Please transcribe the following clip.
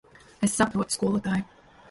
Es saprotu, skolotāj.